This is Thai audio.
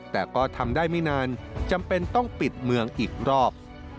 แต่ก็ทำได้ไม่นานจำเป็นต้องปิดเมืองอีกรอบ